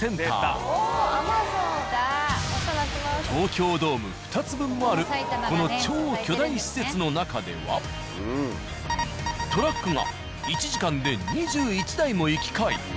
東京ドーム２つ分もあるこの超巨大施設の中ではトラックが１時間で２１台も行き交い。